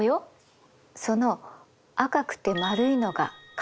その赤くて丸いのが核。